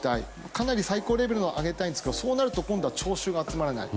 かなり最高レベルにしたいんですがそうなると今度は聴衆が集まらない。